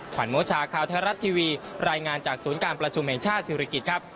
ขวัญโมชาข่าวไทยรัฐทีวีรายงานจากศูนย์การประชุมแห่งชาติศิริกิจครับ